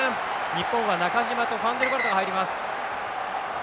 日本は中島とファンデルバルトが入ります。